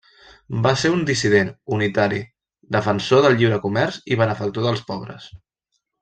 Va ser un dissident, unitari, defensor del lliure comerç i benefactor dels pobres.